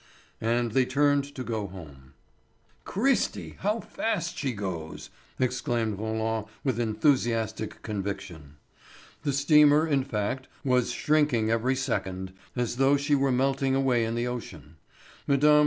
And they turned to go home. "Cristi! How fast she goes!" exclaimed Roland with enthusiastic conviction. The steamer, in fact, was shrinking every second, as though she were melting away in the ocean. Mme.